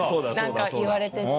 何か言われてて。